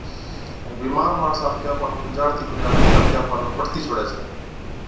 ائُون بِيمار ماڻس آپڪي آپا نُون کُنجھاڙتِي کُنجھاڙتِي آپڪي آپا نُون پٽتِي ڇوڙَي ڇَي